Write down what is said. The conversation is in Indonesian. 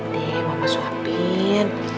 nih mama suapin